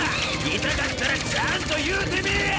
痛かったらちゃんと言うてみぃや！